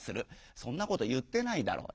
「そんなこと言ってないだろう。